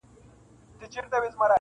اول بویه چي انسان نه وي وطن کي -